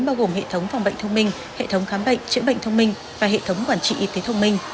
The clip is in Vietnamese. bao gồm hệ thống phòng bệnh thông minh hệ thống khám bệnh chữa bệnh thông minh và hệ thống quản trị y tế thông minh